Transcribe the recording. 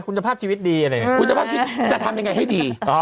คุณภาพชีวิตดีอะไรอย่างนี้คุณภาพชีวิตจะทำยังไงให้ดี